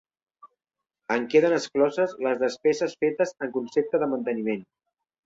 En queden excloses les despeses fetes en concepte de manteniment.